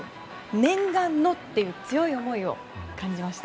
念願の！という強い思いを感じました。